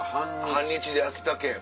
半日で秋田県。